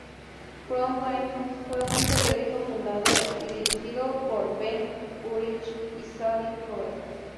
Front Line fue un periódico fundado y dirigido por Ben Urich y Sally Floyd.